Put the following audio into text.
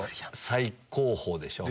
最高峰でしょ。